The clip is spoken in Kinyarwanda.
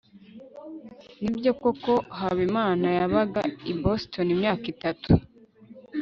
nibyo koko habimana yabaga i boston imyaka itatu